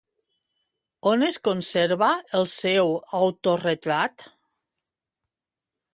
On es conserva el seu autoretrat?